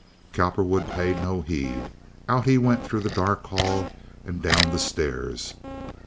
Cowperwood paid no heed. Out he went through the dark hall and down the stairs.